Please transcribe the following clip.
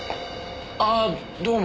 ああどうも。